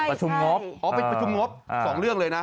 ประชุมงบอ๋อไปประชุมงบ๒เรื่องเลยนะ